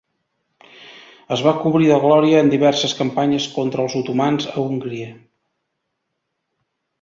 Es va cobrir de glòria en diverses campanyes contra els otomans a Hongria.